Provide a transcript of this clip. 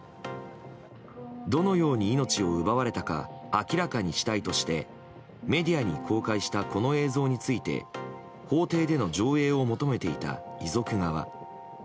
どのように命を奪われたか明らかにしたいとしてメディアに公開したこの映像について法廷での上映を求めていた遺族側。